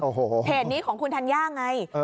โอ้โหเพจนี้ของคุณธัญญาไง